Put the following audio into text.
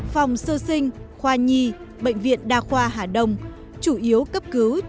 phòng sơ sinh khoa nhi bệnh viện đa khoa hà đông chủ yếu cấp cứu cho những bệnh nhân nặng